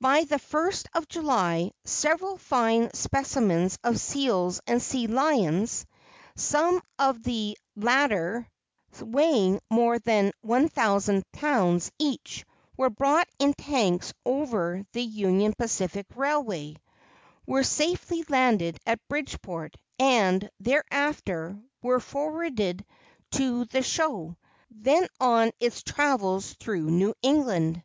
By the first of July, several fine specimens of seals and sea lions, some of the latter weighing more than 1,000 pounds each, were brought in tanks over the Union Pacific Railway, were safely landed at Bridgeport, and, thereafter, were forwarded to the show, then on its travels through New England.